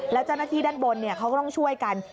แล้วเจ้าหน้าที่ด้านบนเขาก็ต้องช่วยกัน